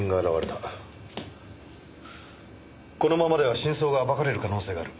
このままでは真相が暴かれる可能性がある。